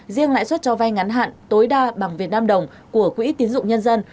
riêng lãi suất cho vay ngắn hạn tối đa bằng việt nam đồng của quỹ tiến dụng nhân dân